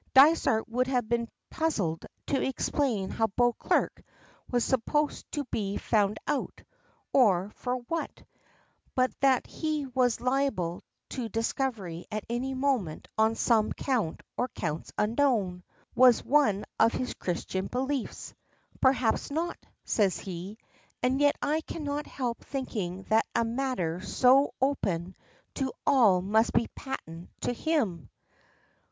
Dysart would have been puzzled to explain how Beauclerk was supposed to be "found out" or for what, but that he was liable to discovery at any moment on some count or counts unknown, was one of his Christian beliefs. "Perhaps not," says he. "And yet I cannot help thinking that a matter so open to all must be patent to him."